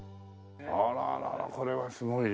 あらららこれはすごいね。